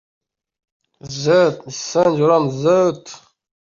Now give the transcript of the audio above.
Braziliyada Jair Bolsonaruning iste’fosini talab qilib norozilik namoyishlari o‘tkazildi